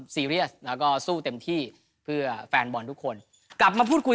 ซีเรียสแล้วก็สู้เต็มที่เพื่อแฟนบอลทุกคนกลับมาพูดคุย